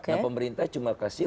nah pemerintah cuma kasih